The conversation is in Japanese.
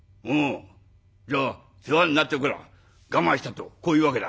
「じゃあ世話になってるから我慢したとこういうわけだ」。